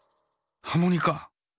ハモニカ。